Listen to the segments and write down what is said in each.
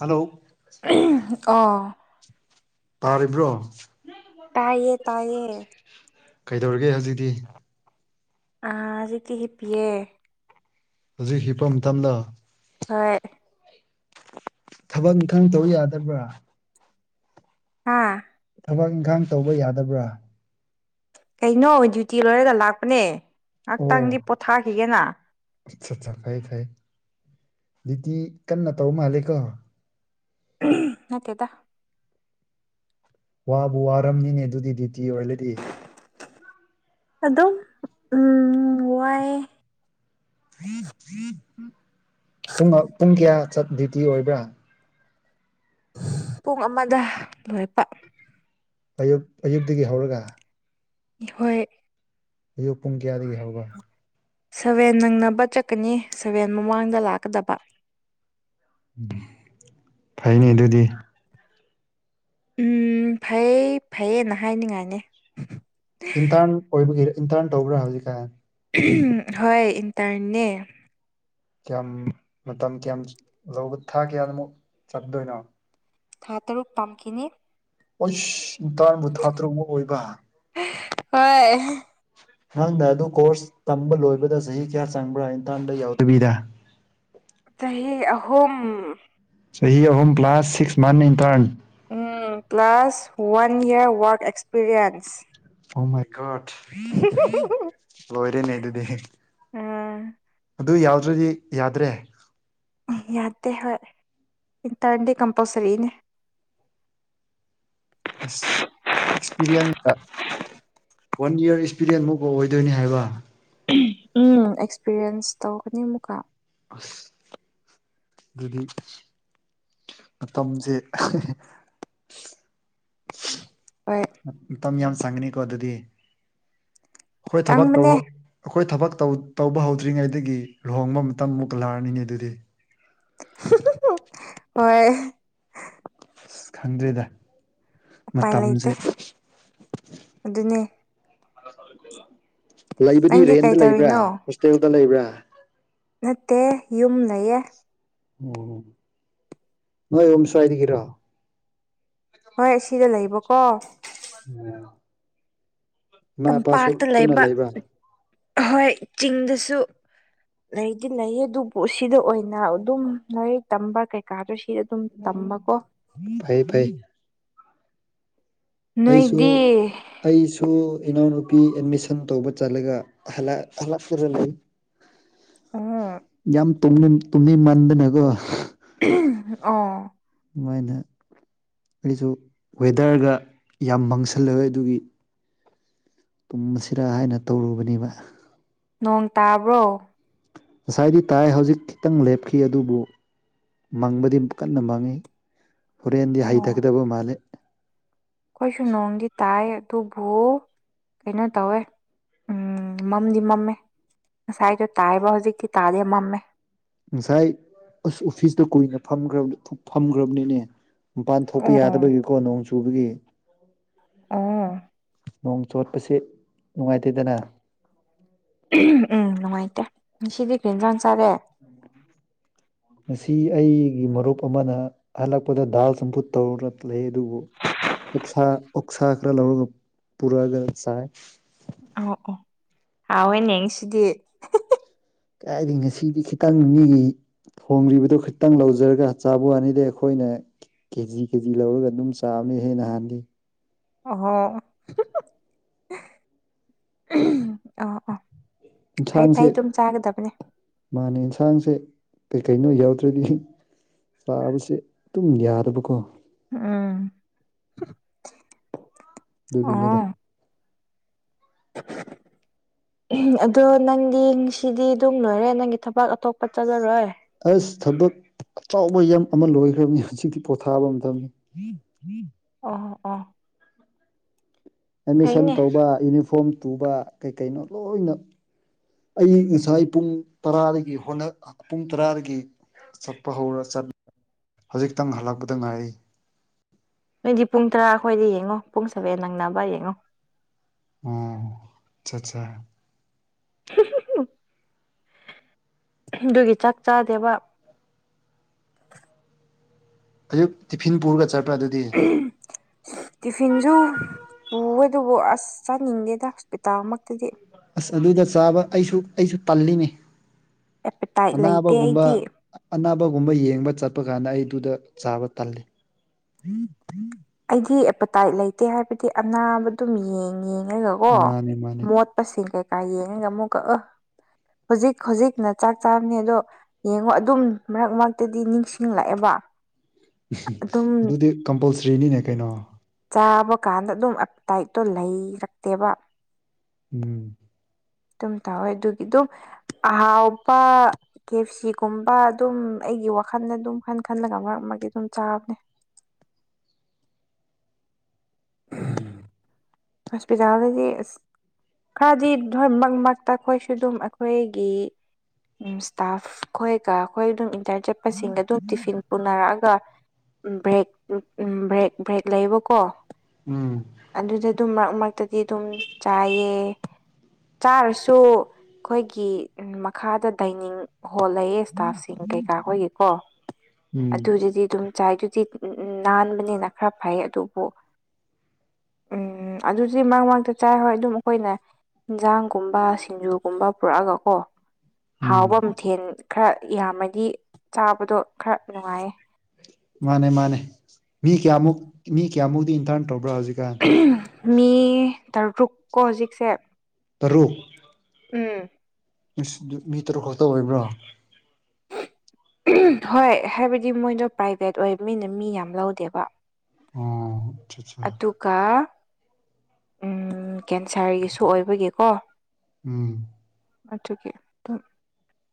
hello ꯑꯣ ꯇꯥꯔꯤꯕ꯭ꯔꯣ ꯇꯥꯏꯌꯦ ꯇꯥꯏꯌꯦ ꯀꯩꯗꯧꯔꯤꯒꯦ ꯍꯧꯖꯤꯛꯇꯤ ꯍꯧꯖꯤꯛꯇꯤ ꯍꯤꯞꯄꯤꯌꯦ ꯍꯧꯖꯤꯛ ꯍꯤꯞꯄꯝ ꯇꯝꯅ ꯍꯣꯏ ꯊꯕꯛ ꯏꯪꯈꯪ ꯇꯧ ꯌꯥꯗꯕ꯭ꯔꯥ ꯑꯥ ꯊꯕꯛ ꯏꯪꯈꯥꯡ ꯇꯧꯕ ꯌꯥꯗꯕ꯭ꯔꯥ ꯀꯩꯅꯣ ꯗ꯭ꯌꯨꯇꯤ ꯂꯣꯏꯔꯒ ꯂꯥꯛꯄꯅꯦ ꯉꯥꯛꯇꯪꯗꯤ ꯄꯣꯊꯥꯈꯤꯒꯦꯅ ꯑꯆ ꯆꯥ ꯐꯩ ꯐꯩ ꯗ꯭ꯌꯨꯇꯤ ꯀꯟꯅ ꯇꯧꯕ ꯃꯥꯜꯂꯤꯀꯣ ꯅꯠꯇꯦꯗ ꯋꯥꯕꯨ ꯋꯥꯔꯝꯅꯤꯅꯦ ꯑꯗꯨꯗꯤ ꯗ꯭ꯌꯨꯇꯤ ꯑꯣꯏꯔꯗꯤ ꯑꯗꯨꯝ ꯎꯝ ꯋꯥꯏꯑꯦ ꯄꯨꯡ ꯄꯨꯡ ꯀꯌꯥ ꯆꯠ ꯗ꯭ꯌꯨꯇꯤ ꯑꯣꯏꯕ꯭ꯔꯥ ꯄꯨꯡ ꯑꯃꯗ ꯂꯣꯏꯄ ꯑꯌꯨꯛ ꯑꯌꯨꯛꯇꯒꯤ ꯍꯧꯔꯒ ꯍꯣꯏ ꯑꯌꯨꯛ ꯄꯨꯡ ꯀꯌꯥꯗꯒꯤ ꯍꯧꯕ ꯁꯚꯦꯟ ꯅꯪꯅꯕ ꯆꯠꯀꯅꯤ ꯁꯚꯦꯟ ꯃꯃꯥꯡꯗ ꯂꯥꯛꯀꯗꯕ ꯐꯩꯅꯦ ꯑꯗꯨꯗꯤ ꯎꯝ ꯐꯩ ꯐꯩꯌꯦꯅ ꯍꯥꯏꯅꯤꯡꯉꯥꯏꯅꯤ ꯏꯟꯇꯔꯟ ꯑꯣꯏꯕꯒꯤ ꯏꯟꯇꯔꯟ ꯇꯧꯕ꯭ꯔꯥ ꯍꯧꯖꯤꯛꯀꯥꯟ ꯍꯣꯏ ꯏꯟꯇꯔꯟꯅꯦ ꯀꯌꯥꯝ ꯃꯇꯝ ꯀꯌꯥꯝ ꯂꯧꯕ ꯊꯥ ꯀꯌꯥꯃꯨꯛ ꯆꯪꯗꯣꯏꯅꯣ ꯊꯥ ꯇꯔꯨꯛ ꯇꯝꯈꯤꯅꯤ ꯑꯣꯏꯁ ꯏꯟꯇ꯭ꯔꯟꯕꯨ ꯊꯥ ꯇꯔꯨꯛꯃꯨꯛ ꯑꯣꯏꯕ ꯍꯣꯏ ꯅꯪꯅ ꯑꯗꯨ ꯀꯣꯔ꯭ꯁ ꯇꯝꯕ ꯂꯣꯏꯕꯗ ꯆꯍꯤ ꯀꯌꯥ ꯆꯪꯕ꯭ꯔꯥ ꯏꯟꯇꯔꯟꯗꯣ ꯌꯥꯎꯗꯕꯤꯗ ꯆꯍꯤ ꯑꯍꯨꯝ ꯆꯍꯤ ꯑꯍꯨꯝ ꯀ꯭ꯂꯥꯁ ꯁꯤꯛꯁ ꯃꯟ ꯏꯟꯇꯔꯟ ꯎꯝ plus one year work experience ꯑꯣꯃꯥꯏꯒꯣꯠ ꯂꯣꯏꯔꯦꯅꯦ ꯑꯗꯨꯗꯤ ꯎꯝ ꯑꯗꯨ ꯌꯥꯎꯗ꯭ꯔꯗꯤ ꯌꯥꯗ꯭ꯔꯦ ꯌꯥꯗꯦ ꯍꯣꯏ ꯏꯟꯇꯔꯟꯗꯤ ꯀꯝꯄꯜꯁꯔꯤꯅꯦ ꯏꯁ ꯑꯦꯛꯁꯄꯤꯔꯤꯌꯦꯟꯇ ꯋꯥꯟ ꯏꯔ ꯑꯦꯛꯁꯄꯤꯔꯤꯌꯦꯟꯁ ꯃꯨꯛ ꯑꯣꯏꯗꯣꯏꯅꯤ ꯍꯥꯏꯕ ꯎꯝ ꯑꯦꯛꯁꯄꯤꯔꯤꯌꯦꯟꯁ ꯇꯧꯒꯅꯤ ꯑꯃꯨꯛꯀ ꯑꯁ ꯑꯗꯨꯗꯤ ꯃꯇꯝꯁꯦ ꯍꯣꯏ ꯃꯇꯝ ꯌꯥꯝ ꯆꯪꯒꯅꯤꯀꯣ ꯑꯗꯨꯗꯤ ꯍꯣꯏ ꯊꯕꯛ ꯇꯣ ꯆꯪꯕꯅꯦ ꯑꯩꯈꯣꯏ ꯊꯕꯛ ꯇꯧ ꯇꯧꯕ ꯍꯧꯗ꯭ꯔꯤꯉꯩꯗꯒꯤ ꯂꯨꯍꯣꯡꯕ ꯃꯇꯝ ꯑꯃꯨꯛꯀ ꯂꯥꯛꯑꯅꯤꯅꯦ ꯑꯗꯨꯗꯤ ꯍꯣꯏ ꯑꯁ ꯈꯪꯗ꯭ꯔꯦꯗ ꯎꯄꯥꯏ ꯃꯇꯝꯁꯦ ꯂꯩꯇꯦ ꯑꯗꯨꯅꯦ ꯂꯩꯕꯗꯤ ꯅꯪꯗꯤ ꯔꯦꯟꯗ ꯂꯩꯕ꯭ꯔꯥ ꯀꯩꯗꯧꯔꯤꯅꯣ ꯍꯣꯁꯇꯦꯜꯗ ꯂꯩꯕ꯭ꯔꯥ ꯅꯠꯇꯦ ꯌꯨꯝ ꯂꯩꯌꯦ ꯎꯝ ꯅꯣꯏ ꯌꯨꯝ ꯁ꯭ꯋꯥꯏꯗꯒꯤꯔꯣ ꯍꯣꯏ ꯑꯁꯤꯗ ꯂꯩꯕꯀꯣ ꯎ [inaudible] ꯇꯝꯄꯥꯛꯇ ꯄꯨꯟꯅ ꯂꯩꯕ ꯂꯩꯕ꯭ꯔꯥ ꯍꯣꯏ ꯆꯤꯡꯗꯁꯨ ꯂꯩꯗꯤ ꯂꯩꯌꯦ ꯑꯗꯨꯕꯨ ꯁꯤꯗ ꯑꯣꯏꯅ ꯑꯗꯨꯝ ꯂꯥꯏꯔꯤꯛ ꯇꯝꯕ ꯀꯩꯀꯥꯗꯣ ꯁꯤ ꯑꯗꯨꯨꯝ ꯇꯝꯕꯀꯣ ꯐꯩ ꯐꯩ ꯑꯩꯁꯨ ꯅꯣꯏꯗꯤ ꯑꯩꯁꯨ ꯏꯅꯥꯎꯅꯨꯄꯤ ꯑꯦꯠꯃꯤꯁꯟ ꯇꯧꯕ ꯆꯠꯂꯒ ꯍꯂꯛ ꯍꯜꯂꯛ [unintelligible] ꯂꯩ ꯎꯝ ꯌꯥꯝ ꯇꯨꯝꯅꯤꯡ ꯇꯨꯝꯅꯤꯡꯃꯟꯗꯅꯀꯣ ꯑꯣ ꯑꯗꯨꯃꯥꯏꯅ ꯑꯩꯁꯨ ꯋꯦꯗꯔꯒ ꯌꯥꯝ ꯃꯪ [unintelligible] ꯑꯗꯨꯒꯤ ꯇꯨꯝꯃꯁꯤꯔꯥ ꯍꯥꯏꯅ ꯇꯧꯔꯨꯕꯅꯦꯕ ꯅꯣꯡ ꯇꯥꯕ꯭ꯔꯣ ꯉꯁꯥꯏꯗꯤ ꯇꯥꯏ ꯍꯧꯖꯤꯛ ꯈꯤꯇꯪ ꯂꯦꯞꯈꯤ ꯑꯗꯨꯕꯨ ꯃꯪꯕꯗꯤ ꯀꯟꯅ ꯃꯪꯉꯤ ꯍꯣꯔꯦꯟꯗꯤ ꯑꯣ ꯍꯩꯊꯒꯗꯕ ꯃꯥꯜꯂꯤ ꯑꯩꯈꯣꯏꯁꯨ ꯅꯣꯡꯗꯤ ꯇꯥꯏ ꯑꯗꯨꯕꯨ ꯀꯩꯅꯣ ꯇꯧꯋꯦ ꯎꯝ ꯃꯝꯗꯤ ꯃꯝꯃꯦ ꯉꯁꯥꯏꯗꯣ ꯇꯥꯏꯕ ꯍꯧꯖꯤꯛꯇꯤ ꯇꯥꯗꯦ ꯃꯝꯃꯦ ꯉꯁꯥꯏ ꯑꯁ ꯑꯣꯐꯤꯁꯇ ꯀꯨꯏꯅ ꯐꯝꯈ꯭ꯔꯕꯅꯤ ꯐꯝꯈ꯭ꯔꯕꯅꯤꯅꯦ ꯃꯄꯥꯟ ꯊꯣꯛꯄ ꯑꯣ ꯌꯥꯗꯕꯒꯤꯀꯣ ꯅꯣꯡ ꯆꯨꯕꯒꯤ ꯑꯣ ꯅꯣꯡ ꯆꯣꯠꯄꯁꯦ ꯅꯨꯡꯉꯥꯏꯇꯦꯗꯅ ꯎꯝ ꯅꯨꯡꯉꯥꯏꯇꯦ ꯉꯁꯤꯗꯤ ꯀꯩꯖꯥꯡ ꯆꯥꯔꯦ ꯉꯁꯤ ꯑꯩꯒꯤ ꯃꯔꯨꯞ ꯑꯃꯅ ꯍꯜꯂꯛꯄꯗ ꯗꯥꯜ ꯆꯝꯐꯨꯠ ꯇꯧꯔ ꯂꯩ ꯑꯗꯨꯕꯨ ꯎꯛꯁꯥ ꯑꯣꯛꯁꯥ ꯈꯔ ꯂꯧꯔꯒ ꯄꯨꯔꯛꯑꯒ ꯆꯥꯏ ꯑ ꯑꯣ ꯍꯥꯎꯋꯦꯅꯦ ꯉꯁꯤꯗꯤ ꯀꯥꯏꯗꯩꯩ ꯉꯁꯤꯗꯤ ꯈꯤꯇꯪ ꯃꯤꯒꯤ ꯊꯣꯡꯂꯤꯕꯗꯨꯣ ꯈꯤꯇꯪ ꯂꯧꯖꯔꯒ ꯆꯥꯕꯨ ꯋꯥꯅꯤꯗ ꯑꯩꯈꯣꯏꯅ ꯀꯦꯖꯤ ꯀꯦꯖꯤ ꯂꯧꯔꯒ ꯑꯗꯨꯝ ꯆꯥꯕꯅꯤ ꯍꯦ ꯅꯍꯥꯟꯗꯤ [unintelligible] ꯑꯣ ꯑꯣ ꯐꯩ ꯐꯩ ꯏꯟꯁꯥꯡꯁꯦ ꯑꯗꯨꯝ ꯆꯥꯒꯗꯕꯅꯦ ꯃꯥꯅꯦ ꯏꯟꯁꯥꯡꯁꯦ ꯀꯩ ꯀꯩꯅꯣ ꯌꯥꯎꯗ꯭ꯔꯗꯤ ꯆꯥꯕꯁꯦ ꯑꯗꯨꯝ ꯌꯥꯗꯕꯀꯣ ꯎꯝ ꯑꯗꯨꯒꯤꯅꯤꯗ ꯑꯣ ꯑꯗꯣ ꯅꯪꯗꯤ ꯉꯁꯤꯗꯤ ꯑꯗꯨꯝ ꯂꯣꯏꯔꯦ ꯅꯪꯒꯤ ꯊꯕꯛ ꯑꯇꯣꯞꯄ ꯆꯠꯂꯔꯣꯏ ꯑꯁ ꯊꯕꯛ ꯑꯆꯥꯎꯕ ꯌꯥꯝ ꯑꯃ ꯂꯣꯏꯈ꯭ꯔꯕꯅꯤ ꯍꯧꯖꯤꯛꯇꯤ ꯄꯣꯊꯥꯕ ꯃꯇꯝꯅꯤ ꯑꯣ ꯑꯣ ꯑꯦꯠꯃꯤꯁꯟ ꯐꯩꯅꯦ ꯇꯧꯕ ꯌꯨꯅꯤꯐꯣꯔꯝ ꯇꯨꯕ ꯀꯩꯀꯩꯅꯣ ꯂꯣꯏꯅ ꯑꯩꯌ ꯉꯁꯥꯏ ꯄꯨꯡ ꯇꯔꯥꯗꯒꯤ ꯍꯣꯠꯅ ꯄꯨꯡ ꯇꯔꯥꯗꯒꯤ ꯆꯠꯄ ꯍꯧꯔ ꯆꯠ ꯍꯧꯖꯤꯛꯇꯪ ꯍꯜꯂꯛꯄꯗ ꯉꯥꯏꯔꯤ ꯅꯪꯗꯤ ꯄꯨꯡ ꯇꯔꯥ ꯑꯩ꯭ꯈꯣꯏꯗꯤ ꯌꯦꯡꯉꯣ ꯄꯨꯡ ꯁꯚꯦꯟ ꯅꯪꯅꯕ ꯌꯦꯡꯉꯣ ꯑꯣ ꯆꯥꯆꯥ ꯑꯗꯨꯒꯤ ꯆꯥꯛ ꯆꯥꯗꯦꯕ ꯑꯌꯨꯛ ꯇꯤꯐꯤꯟ ꯄꯨꯔꯒ ꯆꯠꯄ꯭ꯔꯥ ꯑꯗꯨꯗꯤ ꯇꯤꯐꯤꯟꯁꯨ ꯄꯨꯋꯦ ꯑꯗꯨꯕꯨ ꯑꯁ ꯆꯥꯅꯤꯡꯗꯦꯗ ꯍꯣꯁꯄꯤꯇꯥꯜꯃꯛꯇꯗꯤ ꯑꯁ ꯑꯗꯨꯗ ꯆꯥꯕ ꯑꯩꯁꯨ ꯑꯩꯁꯨ ꯇꯜꯂꯤꯅꯤ ꯑꯦꯄꯦꯇꯥꯏꯠ ꯂꯩꯇꯦ ꯑꯅꯥꯕꯒꯨꯝꯕ ꯑꯩꯗꯤ ꯑꯅꯥꯕꯒꯨꯝꯕ ꯌꯦꯡꯕ ꯆꯠꯄ ꯀꯥꯟꯗ ꯑꯩꯗꯨꯗ ꯆꯥꯕ ꯇꯜꯂꯤ ꯑꯩꯗꯤ ꯑꯦꯄꯥꯇꯥꯏꯠ ꯂꯩꯇꯦ ꯍꯥꯏꯕꯗꯤ ꯑꯅꯥꯕꯗꯨꯝ ꯌꯦꯡ ꯌꯦꯡꯉꯒꯀꯣ ꯃꯥꯅꯦ ꯃꯥꯅꯦ ꯃꯣꯠ ꯄꯁꯤꯡ ꯀꯩꯀꯥ ꯌꯦꯡꯉꯒ ꯑꯃꯨꯛꯀ [unintelligible] ꯍꯧꯖꯤꯛ ꯍꯧꯖꯤꯛꯅ ꯆꯥꯛ ꯆꯥꯕꯅꯤ ꯑꯗꯣ ꯌꯦꯡꯉꯣ ꯑꯗꯨꯝ ꯃꯔꯛ ꯃꯔꯛꯇꯗꯤ ꯅꯤꯡꯁꯤꯡꯂꯛꯑꯦꯕ ꯑꯗꯨꯝ ꯑꯗꯨꯗꯤ ꯀꯝꯄꯜꯁꯔꯤꯅꯤꯅꯦ ꯀꯩꯅꯣ ꯆꯥꯕ ꯀꯥꯟꯗ ꯑꯗꯨꯝ ꯑꯞꯇꯥꯏꯠꯇꯣ ꯂꯩꯔꯛꯇꯦꯕ ꯎꯝ ꯑꯗꯨꯝ ꯇꯥꯎꯋꯦ ꯑꯗꯨꯒꯤ ꯑꯗꯨꯝ ꯑꯍꯥꯎꯕ ꯀꯦꯐꯁꯤꯒꯨꯝꯕ ꯑꯗꯨꯝ ꯑꯩꯒꯤ ꯋꯥꯈꯜꯗ ꯑꯗꯨꯝ ꯈꯟ ꯈꯜꯂꯒ ꯃꯔꯛ ꯃꯔꯛꯇ ꯑꯗꯨꯝ ꯆꯥꯕꯅꯦ ꯎꯝ ꯍꯣꯁꯄꯤꯇꯥꯥꯜꯗꯗꯤ ꯑꯁ ꯈꯔꯗꯤ [unintelligible] ꯑꯩꯈꯣꯏꯁꯨ ꯑꯗꯨꯝ ꯑꯩꯈꯣꯏꯒꯤ [unintelligible] ꯏꯁꯇꯥꯐ ꯑꯩꯈꯣꯏꯒ ꯑꯩꯈꯣꯏ ꯑꯗꯨꯝ ꯏꯟꯇꯔꯟ ꯆꯠꯄꯁꯤꯡꯒ ꯑꯗꯨꯝ ꯇꯤꯐꯤꯟ ꯄꯨꯅꯔꯛꯑꯒ ꯕ꯭ꯔꯦꯛ ꯕ꯭ꯔꯦꯛ ꯕ꯭ꯔꯦꯛ ꯂꯩꯌꯦꯕꯀꯣ ꯎꯝ ꯑꯗꯨꯗ ꯑꯗꯨꯝ ꯃꯔꯛ ꯃꯔꯛꯇꯗꯤ ꯑꯗꯨꯝ ꯆꯥꯏꯌꯦ ꯆꯥꯔꯁꯨ ꯑꯩꯈꯣꯏꯒꯤ ꯃꯈꯥꯗ ꯗꯥꯏꯅꯤꯡ ꯍꯣꯜ ꯂꯩꯌꯦ ꯁꯇꯥꯐꯁꯤꯡ ꯀꯩꯀꯥꯈꯣꯏꯒꯤꯀꯣ ꯎꯝ ꯑꯗꯨꯗꯗꯤ ꯑꯗꯨꯝ ꯆꯥꯏꯗꯨꯗꯤ ꯎꯝ ꯅꯥꯟꯕꯅꯤꯅ ꯈꯔ ꯐꯩ ꯑꯗꯨꯕꯨ ꯎꯝ ꯑꯗꯨꯗꯤ ꯃꯔꯛ ꯃꯔꯛꯇ ꯆꯥꯏ ꯍꯣꯏ ꯑꯗꯨꯝ ꯑꯩꯈꯣꯏꯅ ꯏꯟꯖꯥꯡꯒꯨꯝꯕ ꯁꯤꯡꯖꯨꯒꯨꯝꯕ ꯄꯨꯔꯛꯑꯒ ꯀꯣ ꯎꯝ ꯍꯥꯎꯕ ꯃꯊꯦꯜ ꯈꯔ ꯌꯥꯝꯃꯗꯤ ꯆꯥꯕꯗꯣ ꯈꯔ ꯅꯨꯡꯉꯥꯏꯌꯦ ꯃꯥꯅꯦ ꯃꯥꯅꯦ ꯃꯤ ꯀꯌꯥꯃꯨꯛ ꯃꯤ ꯀꯌꯥꯃꯨꯛꯗꯤ ꯏꯟꯇꯔꯟ ꯇꯧꯕ꯭ꯔꯥ ꯍꯧꯖꯤꯛꯀꯥꯟ ꯃꯤ ꯇꯔꯨꯛꯀꯣ ꯍꯧꯖꯤꯛꯁꯦ ꯇꯔꯨꯛ ꯎꯝ ꯏꯁ ꯃꯤ ꯇꯔꯨꯛ ꯈꯛꯇ ꯑꯣꯏꯕ꯭ꯔꯣ ꯍꯣꯏ ꯍꯥꯏꯕꯗꯤ ꯃꯣꯏꯗꯣ ꯄ꯭ꯔꯥꯏꯚꯦꯠ ꯑꯣꯏꯕꯅꯤꯅ ꯃꯤ ꯌꯥꯝ ꯂꯧꯗꯦꯕ ꯑꯣ ꯑꯠꯆꯥ ꯑꯠꯆꯥ ꯑꯗꯨꯒ ꯎꯝ ꯑꯗꯨꯒ ꯀꯦꯟꯁꯔꯒꯤꯁꯨ ꯑꯣꯏꯕꯒꯤꯀꯣ ꯎꯝ ꯑꯗꯨꯒꯤ ꯑꯗꯨꯝ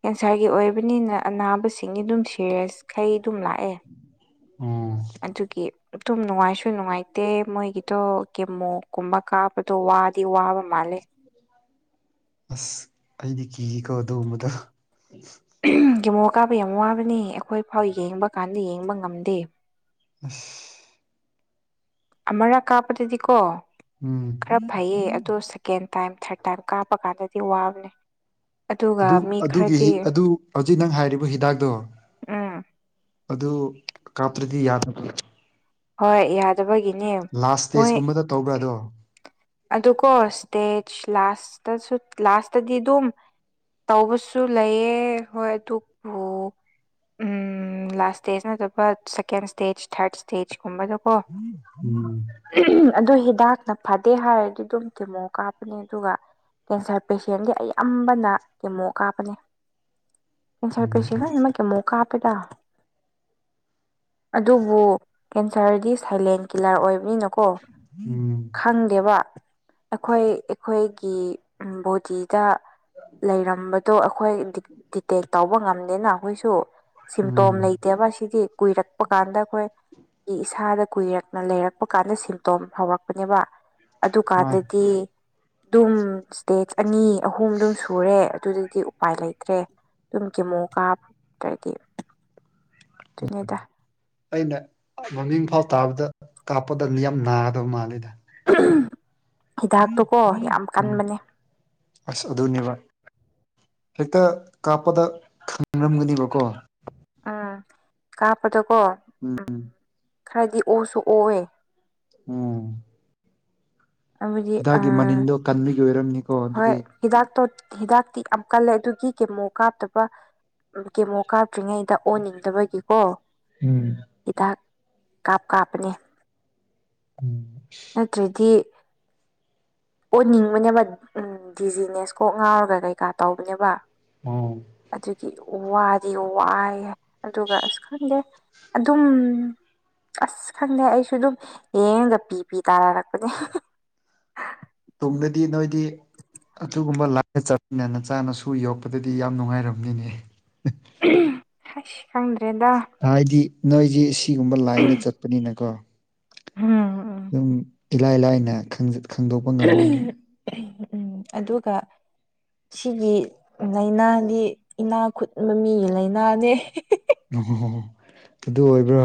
ꯀꯦꯟꯁꯥꯔꯒꯤ ꯑꯣꯏꯕꯅꯤꯅ ꯑꯅꯥꯕꯁꯤꯡꯒꯤ ꯑꯗꯨꯝ ꯁꯦꯔꯤꯌꯁ ꯃꯈꯩ ꯑꯗꯨꯝ ꯂꯥꯛꯑꯦ ꯑꯣ ꯑꯗꯨꯒꯤ ꯑꯗꯨꯝ ꯅꯨꯡꯉꯥꯏꯁꯨ ꯅꯨꯡꯉꯥꯏ ꯗꯦ ꯃꯣꯏꯒꯤꯗꯣ ꯀꯦꯃꯣꯀꯨꯝꯕ ꯀꯥꯕꯗꯣ ꯋꯥꯗꯤ ꯋꯥꯕ ꯃꯥꯜꯂꯦ ꯑꯁ ꯑꯩꯗꯤ ꯀꯤꯌꯦꯀꯣ ꯑꯗꯨꯒꯨꯝꯕꯗꯣ ꯀꯦꯃꯣ ꯀꯥꯞꯕ ꯌꯥꯝ ꯋꯥꯕꯅꯤ ꯑꯩꯈꯣꯏ ꯐꯥꯎ ꯌꯦꯡꯕ ꯀꯥꯟꯗ ꯌꯦꯡꯕ ꯉꯝꯗꯦ ꯑꯁ ꯑꯃꯔꯛ ꯀꯥꯞꯄꯗꯗꯤꯀꯣ ꯎꯝ ꯈꯔ ꯐꯩꯌꯦ ꯑꯣꯗꯣ ꯁꯦꯀꯦꯟꯇꯥꯏꯝ ꯊꯥꯔꯠꯇꯥꯏꯝ ꯀꯥꯞꯄ ꯀꯥꯟꯗꯗꯤ ꯋꯥꯕꯅꯦ ꯑꯗꯨꯒ ꯑꯗꯨ ꯃꯤ ꯑꯗꯨꯒꯤ ꯈꯔꯗꯤ ꯑꯗꯨ ꯍꯧꯖꯤꯛ ꯅꯪ ꯍꯥꯏꯔꯤꯕ ꯍꯤꯗꯥꯛꯇꯣ ꯎꯝ ꯑꯗꯨ ꯀꯥꯞꯇ꯭ꯔꯗꯤ ꯌꯥꯗꯕ꯭ꯔ ꯍꯣꯏ ꯌꯥꯗꯕꯒꯤꯅꯦ ꯂꯥꯁ ꯁ꯭ꯇꯦꯖꯀꯨꯝꯕꯗ ꯇꯧꯕ꯭ꯔꯥ ꯑꯗꯣ ꯑꯗꯨ ꯀꯣ ꯁ꯭ꯇꯦꯖ ꯂꯥꯁꯇꯁꯨ ꯂꯥꯁꯇꯗꯤ ꯑꯗꯨꯝ ꯇꯧꯕꯁꯨ ꯂꯩꯌꯦ ꯍꯣꯏ ꯑꯗꯨꯕꯨ ꯎꯝ ꯂꯥꯁ ꯁ꯭ꯇꯦꯖ ꯅꯠꯇꯕ ꯁꯦꯀꯦꯟ ꯁ꯭ꯇꯦꯖ ꯊꯥꯔꯠ ꯁ꯭ꯇꯦꯖꯀꯨꯝꯕꯗꯣ ꯑꯣ ꯎꯝ ꯑꯗꯣ ꯍꯤꯗꯥꯛꯅ ꯐꯠ ꯇꯦ ꯍꯥꯏꯔꯗꯤ ꯑꯗꯨꯝ ꯀꯦꯃꯣ ꯀꯥꯞꯄꯅꯦ ꯑꯗꯨꯒ ꯀꯦꯟꯁꯔ ꯄꯦꯁꯦꯟꯗꯤ ꯑꯌꯥꯝꯕꯅ ꯀꯦꯃꯣ ꯀꯥꯞꯄꯅꯦ ꯎꯝ ꯀꯦꯟꯁꯔꯄꯦꯁꯦꯟ ꯂꯣꯏꯅꯃꯛ ꯀꯦꯃꯣ ꯀꯞꯄꯦꯗ ꯑꯗꯨꯕꯨ ꯀꯦꯟꯁꯔꯗꯤ ꯁꯥꯏꯂꯦꯟ ꯀꯤꯂꯔ ꯑꯣꯏꯕꯅꯤꯅꯀꯣ ꯎꯝ ꯈꯪ ꯗꯦꯕ ꯑꯩꯈꯣꯏ ꯑꯩꯈꯣꯏꯒꯤ ꯕꯣꯗꯤꯗ ꯂꯩꯔꯝꯕꯗꯣ ꯑꯩꯈꯣꯏ ꯗꯤꯇꯦꯛ ꯇꯧꯕ ꯉꯝꯗꯦꯅ ꯑꯩꯈꯣꯏꯁꯨ ꯎꯝ ꯁꯤꯝꯇꯣꯝ ꯂꯩ ꯇꯦꯕꯥꯁꯤꯗꯤ ꯀꯨꯏꯔꯛꯄ ꯀꯥꯟꯗ ꯑꯩꯈꯣꯏ ꯏꯁꯥꯗ ꯀꯨꯏꯔꯛꯅ ꯂꯩꯔꯛꯄ ꯀꯥꯟꯗ ꯁꯤꯝꯇꯣꯝ ꯍꯧꯔꯛꯄꯅꯦꯕ ꯃꯥ ꯑꯗꯨꯀꯥꯟꯗꯗꯤ ꯑꯗꯨꯝ ꯁ꯭ꯇꯦꯖ ꯑꯅꯤ ꯑꯍꯨꯝ ꯑꯗꯨꯝ ꯁꯨꯔꯦ ꯑꯗꯨꯗꯤ ꯎꯄꯥꯏ ꯂꯩꯇ꯭ꯔꯦ ꯑꯗꯨꯨꯝ ꯀꯦꯃꯣ ꯀꯥꯞ ꯇ꯭ꯔꯗꯤ ꯑꯗꯨꯅꯤꯗ ꯑꯩꯅ ꯃꯃꯤꯡ ꯐꯥꯎ ꯇꯥꯕꯗ ꯀꯥꯞꯄꯗ ꯌꯥꯝ ꯅꯥꯒꯗꯕ ꯃꯥꯜꯂꯦꯗ ꯍꯤꯗꯥꯛꯇꯨꯀꯣ ꯌꯥꯝ ꯎꯝ ꯀꯟꯕꯅꯦ ꯑꯁ ꯑꯗꯨꯅꯦꯕ ꯍꯦꯛꯇ ꯀꯥꯞꯄꯗ ꯈꯪꯔꯝꯒꯅꯤꯕꯀꯣ ꯎꯝ ꯀꯥꯞꯄꯗꯀꯣ ꯎꯝ ꯈꯔꯗꯤ ꯑꯣꯁꯨ ꯑꯣꯑꯦ ꯎꯝ ꯑꯗꯨꯒꯤ ꯑ ꯍꯤꯗꯥꯛꯀꯤ ꯃꯅꯤꯟꯗꯣ ꯀꯟꯕꯒꯤ ꯑꯣꯏꯔꯝꯅꯤꯀꯣ ꯍꯣꯏ ꯑꯗꯨꯗꯤ ꯍꯤꯗꯥꯛꯇꯣ ꯍꯤꯗꯥꯛꯇꯤ ꯌꯥꯝ ꯀꯜꯂꯦ ꯑꯗꯨꯒꯤ ꯀꯦꯃꯣ ꯀꯥꯞꯇꯕ ꯀꯦꯃꯣ ꯀꯥꯞꯇ꯭ꯔꯤꯉꯩꯗ ꯑꯣꯟꯅꯤꯡꯗꯕꯒꯤꯀꯣ ꯎꯝ ꯍꯤꯗꯥꯛ ꯀꯥꯞ ꯀꯥꯞꯄꯅꯦ ꯎꯝ [inaudible] ꯅꯠꯇ꯭ꯔꯗꯤ ꯑꯣꯅꯤꯡꯕꯅꯦꯕ ꯎꯝ ꯗꯤꯖꯤꯅꯦꯁ ꯀꯣꯛ ꯉꯥꯎꯔꯒ ꯀꯩꯀꯥ ꯇꯧꯕꯅꯦꯕ ꯎꯝ ꯑꯗꯨꯒꯤ ꯋꯥꯗꯤ ꯋꯥꯏ ꯑꯗꯨꯒ ꯑꯁ ꯈꯪꯗꯦ ꯑꯗꯨꯝ ꯑꯁ ꯈꯪꯗꯦ ꯑꯩꯁꯨ ꯑꯗꯨꯝ ꯌꯦꯡꯗ ꯄꯤ ꯄꯤ ꯇꯥꯅꯔꯛꯄꯅꯦ ꯇꯨꯡꯗꯗꯤ ꯅꯣꯏꯗꯤ ꯑꯗꯨꯒꯨꯝꯕ ꯂꯥꯏꯅ ꯆꯠꯃꯤꯟꯅ ꯅꯆꯥꯅꯁꯨ ꯌꯣꯛꯄꯗꯗꯤ ꯌꯥꯝ ꯅꯨꯡꯉꯥꯏꯔꯝꯅꯤꯅꯦ ꯍꯩꯁ ꯈꯪꯗ꯭ꯔꯦꯗ ꯍꯥꯏꯗꯤ ꯅꯣꯏꯗꯤ ꯑꯁꯤꯒꯨꯝꯕ ꯂꯥꯏꯟꯗ ꯆꯠꯄꯅꯤꯅꯀꯣ ꯎꯝ ꯑꯗꯨꯝ ꯏꯂꯥꯏ ꯂꯥꯏꯅ ꯈꯪꯖ ꯎꯝ ꯑꯗꯨꯒ ꯁꯤꯒꯤ ꯂꯥꯏꯅꯥꯗꯤ ꯏꯅꯥ ꯈꯨꯟꯕ ꯃꯤꯒꯤ ꯂꯩꯏꯅꯥꯅꯦ ꯑꯣ ꯑꯗꯨ ꯑꯣꯏꯕ꯭ꯔꯥ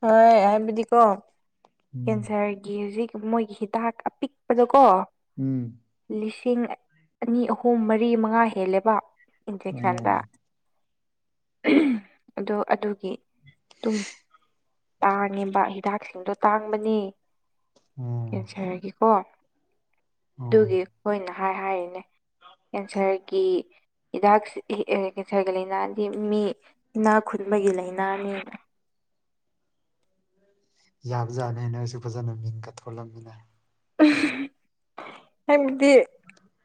ꯍꯣꯏ ꯍꯥꯏꯕꯤꯗꯤ ꯀꯣ ꯎꯝ ꯀꯦꯟꯁꯔꯒꯤ ꯍꯧꯖꯤꯛ ꯃꯣꯏꯒꯤ ꯍꯤꯗꯥꯛ ꯑꯄꯤꯛꯄꯗꯀꯣ ꯎꯝ ꯂꯤꯁꯤꯡ ꯑꯅꯤ ꯑꯍꯨꯝ ꯃꯔꯤ ꯃꯉꯥ ꯍꯦꯜꯂꯦꯕ ꯑꯣ ꯏꯟꯖꯦꯛꯁꯟꯗ ꯑꯗꯣ ꯑꯗꯨꯒꯤ ꯗꯨꯝ ꯇꯥꯡꯉꯦꯕ ꯍꯤꯗꯥꯛꯁꯤꯡꯗꯣ ꯇꯥꯡꯕꯅꯤ ꯑꯣ ꯀꯦꯟꯁꯔꯒꯤꯀꯣ ꯑꯣ ꯑꯗꯨꯒꯤ ꯑꯩꯈꯣꯏꯅ ꯍꯥꯏ ꯍꯥꯏꯔꯤꯅꯦ ꯀꯦꯟꯁꯔꯒꯤ ꯍꯤꯗꯥꯛ ꯀꯦꯟꯁꯔꯒꯤ ꯂꯥꯏꯅꯥꯗꯤ ꯃꯤ ꯏꯅꯥꯛ ꯈꯨꯟꯕꯒꯤ ꯂꯥꯏꯅꯥꯅꯦ ꯌꯥꯕꯖꯥꯠꯅꯦ ꯅꯣꯏꯁꯨ ꯐꯖꯅ ꯃꯤꯡꯒ ꯊꯣꯜꯂꯝꯃꯤꯅ ꯍꯥꯏꯕꯗꯤ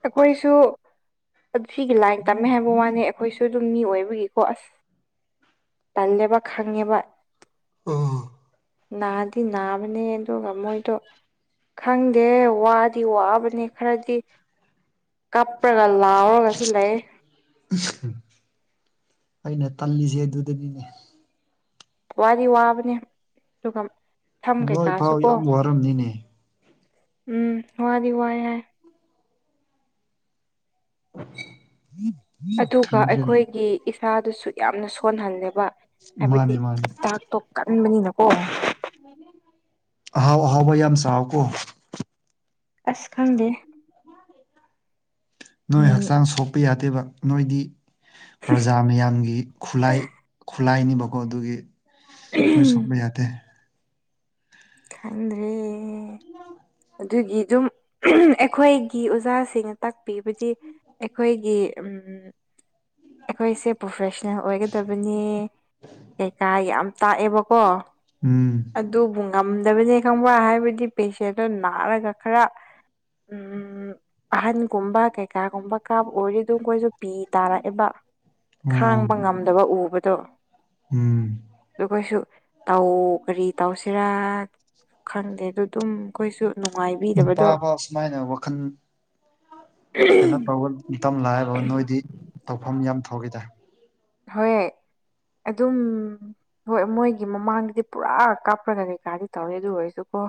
ꯑꯩꯈꯣꯏꯁꯨ ꯑꯗꯨ ꯁꯤꯒꯤ ꯂꯥꯏꯟ ꯇꯝꯃꯦ ꯍꯥꯏꯕ ꯋꯥꯅꯦ ꯑꯩꯈꯣꯏꯁꯨ ꯑꯗꯨꯝ ꯃꯤ ꯑꯣꯏꯕꯒꯤꯀꯣ ꯑꯁ ꯇꯜꯂꯦꯕ ꯈꯪꯉꯦꯕ ꯎꯝ ꯅꯥꯗꯤ ꯅꯥꯕꯅꯦ ꯑꯗꯨꯒ ꯃꯣꯏꯗꯣ ꯈꯪꯗꯦ ꯋꯥꯗꯤ ꯋꯥꯕꯅꯦ ꯈꯔꯗꯤ ꯀꯞꯄ꯭ꯔꯒ ꯂꯥꯎꯔꯒꯁꯨ ꯂꯩ ꯑꯩꯅ ꯇꯜꯂꯤꯁꯦ ꯑꯗꯨꯗꯅꯤꯅꯦ ꯋꯥꯗꯤ ꯋꯥꯕꯅꯦ ꯑꯗꯨꯒ ꯁꯝ ꯅꯣꯏ ꯀꯩꯀꯥꯁꯨ ꯄꯥꯎ ꯀꯣ ꯌꯥꯝ ꯋꯥꯔꯝꯅꯤꯅꯦ ꯎꯝ ꯋꯥꯗꯤ ꯋꯥꯌꯦ ꯎꯝ [inaudible] ꯑꯗꯨꯒ ꯑꯩꯈꯣꯏꯒꯤ ꯏꯁꯥꯗꯨꯁꯨ ꯌꯥꯝꯅ ꯁꯣꯟꯍꯜꯂꯦꯕ ꯃꯥꯅꯦ ꯍꯥꯏꯕꯗꯤ ꯃꯥꯅꯦ ꯍꯤꯗꯥꯛꯇꯣ ꯀꯟꯕꯅꯤꯅꯀꯣ ꯑꯍꯥꯎ ꯑꯍꯥꯎꯕ ꯌꯥꯝ ꯆꯥꯎꯀꯣ ꯑꯁ ꯈꯪꯗꯦ ꯅꯣꯏ ꯌꯦꯡ ꯍꯛꯆꯥꯡ ꯁꯣꯛꯄ ꯌꯥꯗꯦꯕ ꯅꯣꯏꯗꯤ ꯄ꯭ꯔꯖꯥ ꯃꯌꯥꯝꯒꯤ ꯈꯨꯂꯥꯏ ꯈꯨꯠꯂꯥꯏꯅꯤꯕꯀꯣ ꯑꯗꯨꯒꯤ ꯅꯣꯏ ꯁꯣꯛꯄ ꯌꯥꯗꯦ ꯈꯪꯗ꯭ꯔꯦ ꯑꯗꯨꯒꯤ ꯑꯗꯨꯝ ꯑꯩꯈꯣꯏꯒꯤ ꯑꯣꯖꯥꯁꯤꯡꯅ ꯇꯥꯛꯄꯤꯕꯗꯤ ꯑꯩꯈꯣꯏꯒꯤ ꯎꯝ ꯑꯩꯈꯣꯏꯁꯦ ꯄ꯭ꯔꯣꯐꯦꯁꯅꯦꯜ ꯑꯣꯏꯒꯗꯕꯅꯦ ꯀꯩꯀꯥ ꯌꯥꯝ ꯇꯥꯛꯑꯦꯕꯀꯣ ꯎꯝ ꯑꯗꯨꯕꯨ ꯉꯝꯗꯕꯅꯤ ꯈꯪꯕ ꯍꯥꯏꯕꯗꯤ ꯄꯦꯁꯦꯟꯗꯣ ꯅꯥꯔꯒ ꯈꯔ ꯎꯝ ꯑꯍꯟꯒꯨꯝꯕ ꯀꯩꯀꯥꯒꯨꯝꯕ ꯀꯥꯞ ꯑꯣꯏꯔꯤꯗꯨ ꯑꯩꯈꯣꯏꯁꯨ ꯄꯤ ꯇꯥꯔꯛ ꯏꯕ ꯎꯝ ꯈꯥꯡꯕ ꯉꯝꯗꯕ ꯎꯕꯗꯣ ꯎꯝ ꯑꯗꯨ ꯈꯣꯏꯁꯨ ꯇꯧ ꯀꯔꯤ ꯇꯧꯁꯤꯔꯥ ꯈꯪꯗꯦ ꯑꯗꯨ ꯑꯗꯨꯝ ꯑꯩꯈꯣꯏꯁꯨ ꯅꯨꯡꯉꯥꯏꯕꯤꯗꯕꯗꯣ ꯅꯨꯄꯥꯕ ꯁꯨꯃꯥꯏꯅ ꯋꯥꯈꯜ ꯀꯩꯅꯣ ꯇꯧꯒ ꯏꯇꯝ ꯂꯥꯏꯕ ꯅꯣꯏꯗꯤ ꯇꯧꯐꯝ ꯌꯥꯝ ꯊꯣꯛꯈꯤꯗ ꯍꯣꯏ ꯑꯗꯨꯝ ꯍꯣꯏ ꯃꯣꯏꯒꯤ ꯃꯃꯥꯡꯗꯗꯤ ꯄꯨꯔꯥ ꯀꯥꯞꯄ꯭ꯔꯒ ꯀꯩꯀꯥꯗꯤ ꯇꯧꯋꯦ ꯑꯗꯨ ꯑꯣꯏꯔꯁꯨꯀꯣ